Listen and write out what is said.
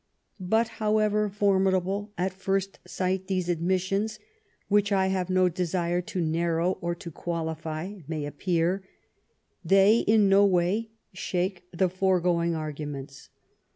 But however formidable at first sight these admissions, which I have no desire to narrow or to qualify, may appear, they in no way shake the foregoing arguments.